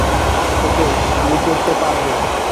ওকে, আমি করতে পারব।